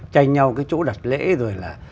chanh nhau cái chỗ đặt lễ rồi là